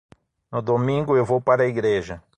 No Domingo eu vou para a Igreja.